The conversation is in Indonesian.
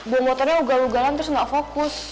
bawa motornya lo galau galau terus gak fokus